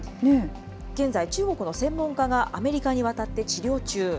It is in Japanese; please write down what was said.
現在、中国の専門家がアメリカに渡って治療中。